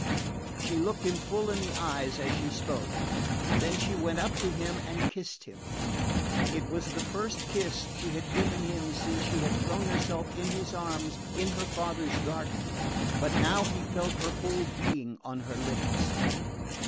She looked him full in the eyes as she spoke; then she went up to him and kissed him. It was the first kiss she had given him since she had thrown herself in his arms in her father's garden; but now he felt her whole being on her lips.